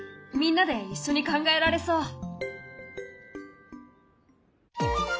みんなで一緒に考えられそう。